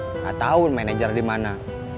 nggak tahu manajer di mana